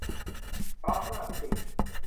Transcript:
พลาสมาฟิสิกส์